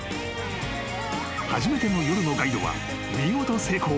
［初めての夜のガイドは見事成功］